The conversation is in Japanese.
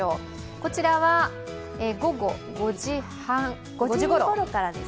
こちらは午後５時ごろ。